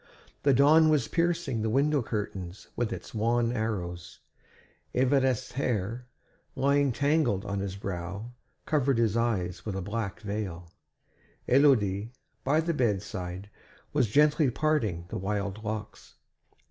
The dawn was piercing the window curtains with its wan arrows. Évariste's hair, lying tangled on his brow, covered his eyes with a black veil; Élodie, by the bedside, was gently parting the wild locks.